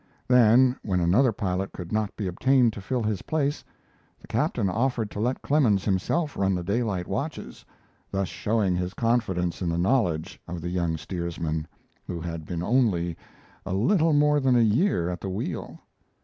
Then when another pilot could not be obtained to fill his place, the captain offered to let Clemens himself run the daylight watches, thus showing his confidence in the knowledge of the young steersman, who had been only a little more than a year at the wheel.